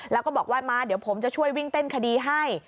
แล้วก็บอกว่ามาเดี๋ยวผมจะช่วยวิ่งเต้นคดีให้